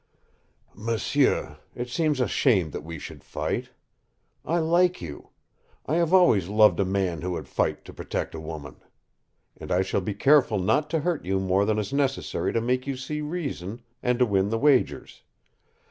"M'sieu, it seems a shame that we should fight. I like you. I have always loved a man who would fight to protect a woman, and I shall be careful not to hurt you more than is necessary to make you see reason and to win the wagers.